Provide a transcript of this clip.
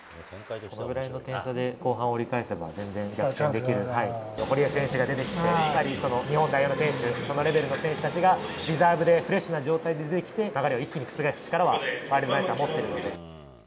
このぐらいの点差で後半折り返せば、全然逆転できるので、堀江選手が出てきて、日本代表の選手、そのレベルの選手たちがリザーブでフレッシュな状態で出てきて、流れを覆す力はワイルドナイツは持っているので。